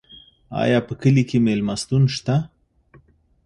ایا په کلي کې مېلمستون شته؟